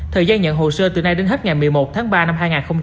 thời gian nhận hồ sơ từ nay đến hết ngày một mươi một tháng ba năm hai nghìn hai mươi